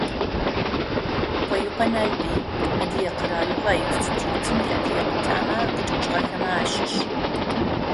Къуекъо Налбый, Адыгэ къэралыгъо институтым иадыгэ къутамэ къычӏэкӏыгъэхэмэ ащыщ.